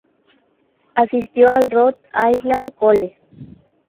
Asistió al Rhode Island College.